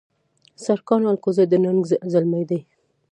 سرکاڼو الکوزي د ننګ زلمي دي